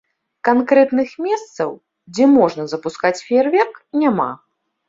Канкрэтных месцаў, дзе можна запускаць феерверк, няма.